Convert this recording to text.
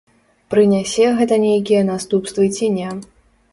Прынясе гэта нейкія наступствы ці не.